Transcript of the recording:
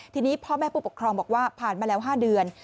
ทีนี้พ่อแม่ผู้ปกครองบอกว่าผ่านมาแล้ว๕เดือน